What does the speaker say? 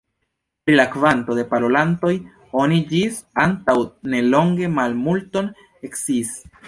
Pri la kvanto de parolantoj oni ĝis antaŭ nelonge malmulton sciis.